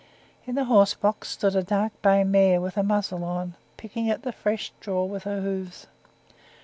In the horse box stood a dark bay mare, with a muzzle on, picking at the fresh straw with her hoofs.